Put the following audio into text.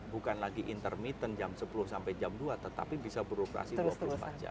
bukan lagi intermittent jam sepuluh sampai jam dua tetapi bisa beroperasi dua puluh empat jam